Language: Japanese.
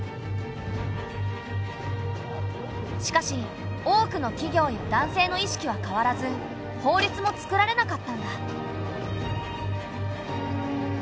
しかし多くの企業や男性の意識は変わらず法律も作られなかったんだ。